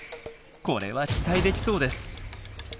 これは期待できそうです。